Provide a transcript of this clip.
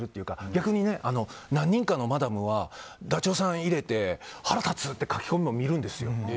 逆に何人かのマダムはダチョウさん入れて腹立つって書き込みも見るんです。